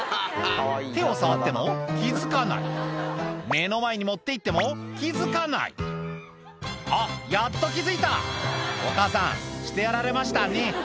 目の前に持っていっても気付かないあっやっと気付いたお母さんしてやられましたね